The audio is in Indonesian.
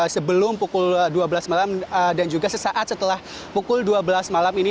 sebelum pukul dua belas malam dan juga sesaat setelah pukul dua belas malam ini